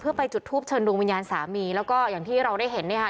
เพื่อไปจุดทูปเชิญดวงวิญญาณสามีแล้วก็อย่างที่เราได้เห็นเนี่ยค่ะ